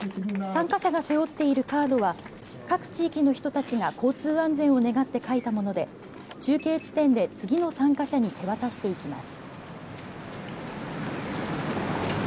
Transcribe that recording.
参加者が背負っているカードは各地域の人たちが交通安全を願って書いたもので中継地点で次の参加者に手渡していきます。